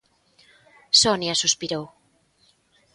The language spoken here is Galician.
Sonia suspirou.